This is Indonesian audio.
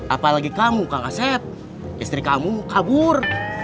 apalagi kamu kang asep istri kamu kabur